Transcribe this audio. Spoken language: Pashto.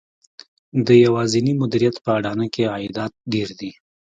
د یوازېني مدیریت په اډانه کې عایدات ډېر دي